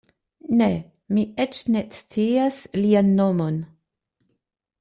Ne; mi eĉ ne scias lian nomon.